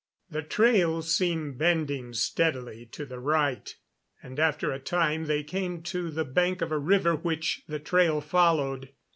The trail seemed bending steadily to the right, and after a time they came to the bank of a river which the trail followed.